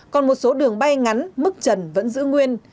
còn một số đường bay ngắn mức trần vẫn giữ nguyên